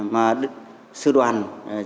mà sư đoàn chín trăm sáu mươi tám